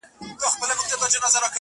یو څو قاچاقبران، د کوکنارو تجاران